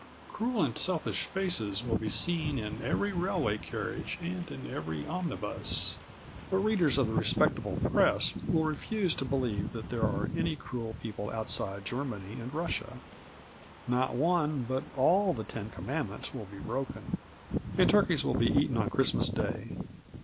Cruel and selfish faces will be seen in every railway carriage and in every omnibus, but readers of the respectable Press will refuse to believe that there are any cruel people outside Germany and Russia. Not one but all the Ten Commandments will be broken, and turkeys will be eaten on Christmas Day.